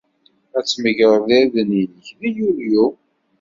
Ad tmegreḍ irden-nnek deg Yulyu.